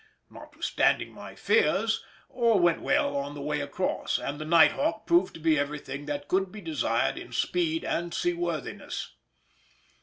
Notwithstanding my fears, all went well on the way across, and the Night Hawk proved to be everything that could be desired in speed and seaworthiness.